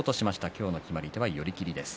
今日の決まり手は寄り切りです。